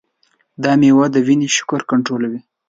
دا مېوه د وینې شکر کنټرولوي.